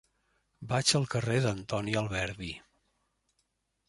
Vaig al carrer d'Antoni Alberdi.